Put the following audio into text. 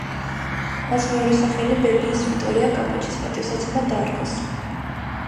მას მეორე სახელი ბებიის, ვიტორია კაპოჩის პატივსაცემად დაარქვეს.